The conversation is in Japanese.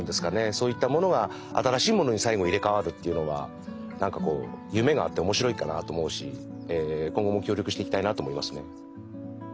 そういったものが新しいものに最後入れ代わるっていうのは何かこう夢があって面白いかなと思うし今後も協力していきたいなと思いますね。